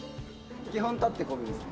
基本立ってこぐんです。